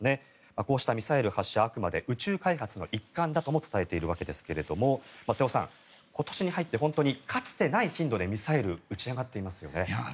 こうしたミサイル発射はあくまで宇宙開発の一環だとも伝えているわけですが瀬尾さん、今年に入って本当にかつてない頻度でミサイルが打ち上がっていますよね。